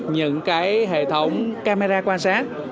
những hệ thống camera quan sát